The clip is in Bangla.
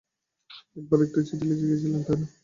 এক বার একটি চিঠি লিখে গিয়েছিলেন, তাই না?